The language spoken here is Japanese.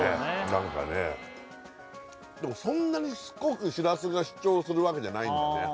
なんかねでもそんなにすごくしらすが主張するわけじゃないんだね